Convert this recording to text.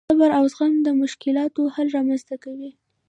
صبر او زغم د مشکلاتو حل رامنځته کوي.